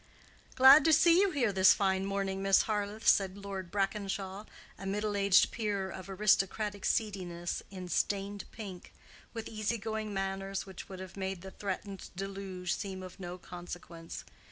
"Glad to see you here this fine morning, Miss Harleth," said Lord Brackenshaw, a middle aged peer of aristocratic seediness in stained pink, with easy going manners which would have made the threatened deluge seem of no consequence.